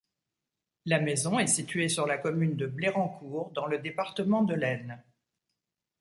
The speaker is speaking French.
La maison est située sur la commune de Blérancourt, dans le département de l'Aisne.